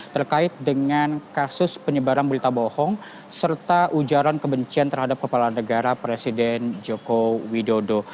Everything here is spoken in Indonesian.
terkait dengan kasus penyebaran berita bohong serta ujaran kebencian terhadap kepala negara presiden joko widodo